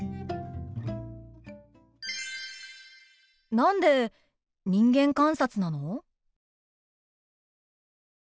何で人間観察なの？